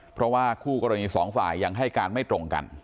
เพราะว่าคู่กรณีสองฝ่ายยังให้การไม่ตรงกัน